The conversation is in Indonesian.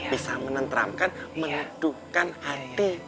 bisa menentramkan menuduhkan hati